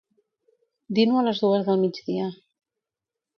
Dino a les dues del migdia.